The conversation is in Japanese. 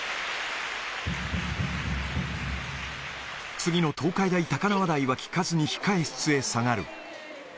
次の東海大高輪台は聴かずに控え室に下がる。